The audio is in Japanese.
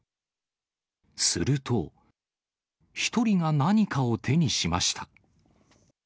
すると、１人が何かを手にしました。